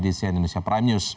di cnn indonesia prime news